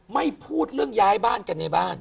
ไม่พูดเรื่องย้ายบ้านกันในบ้าน